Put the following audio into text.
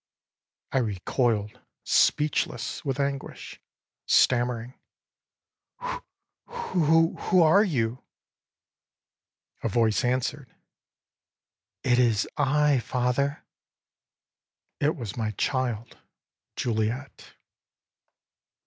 âI recoiled, speechless with anguish, stammering: ââWho who are you?â âA voice answered: ââIt is I, father.â âIt was my child, Juliette.